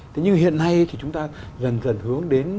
thế nhưng hiện nay thì chúng ta dần dần hướng đến